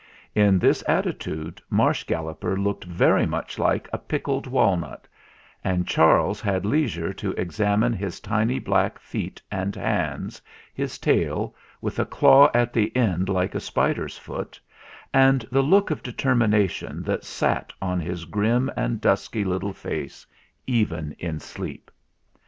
In this attitude Marsh Galloper looked very much like a pickled walnut, and Charles had leisure to examine his tiny black feet and hands, his tail, with a claw at the end like a spider's foot, and the look of determination that sat on his grim and 218 THE FLINT HEART dusky little face even in sleep.